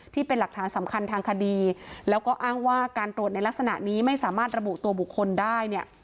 ที่เป็นหลักฐานสำคัญทางคดีแล้วก็อ้างว่าการตรวจในลักษณะนี้ไม่สามารถระบุตัวบุคคลได้เนี่ย